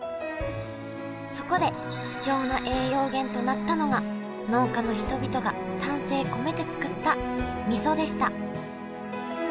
そこで貴重な栄養源となったのが農家の人々が丹精込めて作ったみそでした。